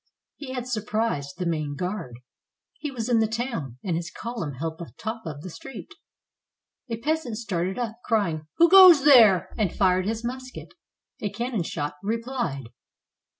He had sur prised the main guard. He was in the town, and his column held the top of the street. A peasant started up, crying, "Who goes there?" and fired his musket; a cannon shot replied.